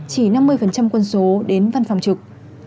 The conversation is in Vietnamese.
chỉ năm mươi quân số đến văn phòng trực